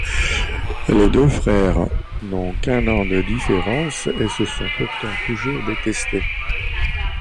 Les deux frères n’ont qu’un an de différence et se sont pourtant toujours détestés.